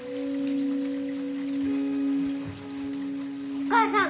お母さん！